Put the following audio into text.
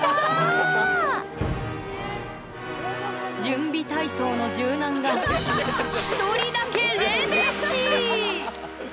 準備体操の柔軟が１人だけレベチ！